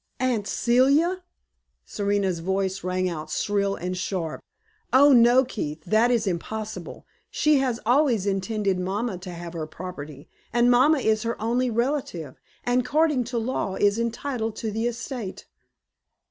"Aunt Celia!" Serena's voice rang out shrill and sharp. "Oh, no, Keith, that is impossible. She has always intended mamma to have her property; and mamma is her only relative, and according to law is entitled to the estate."